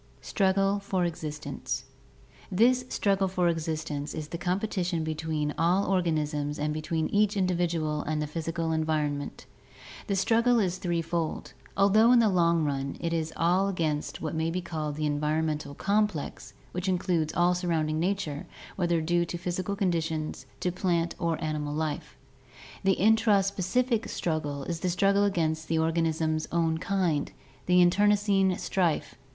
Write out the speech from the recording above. Struggle for Existence.— This struggle for existence is the competition between all organisms and between each individual and the physical environment. The struggle is threefold, although in the long run it is all against what may be called the environmental complex, which includes all surrounding nature, whether due to physical conditions, to plant or to animal life. The intraspecific struggle is the struggle against the organism's own kind, the internecine strife.